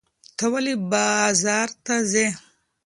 ته ولې بازار ته ځې؟